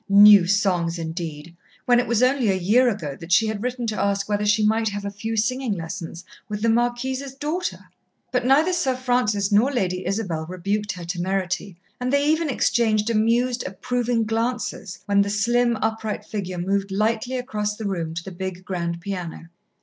"New songs" indeed, when it was only a year ago that she had written to ask whether she might have a few singing lessons with the Marquise's daughter! But neither Sir Francis nor Lady Isabel rebuked her temerity, and they even exchanged amused, approving glances when the slim, upright figure moved lightly across the room to the big grand piano.